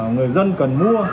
người dân cần mua